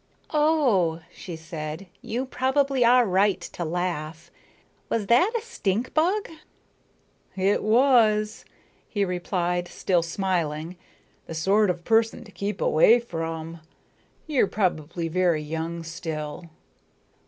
"Oh," she said, "you probably are right to laugh. Was that a stink bug?" "It was," he replied, still smiling. "The sort of person to keep away from. You're probably very young still?"